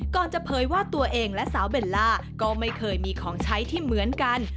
จะเผยว่าตัวเองและสาวเบลล่าก็ไม่เคยมีของใช้ที่เหมือนกัน